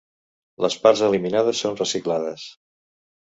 Les parts eliminades són reciclades.